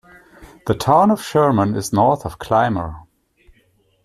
The town of Sherman is north of Clymer.